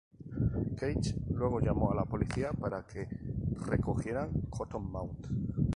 Cage luego llamó a la policía para que recogiera Cottonmouth.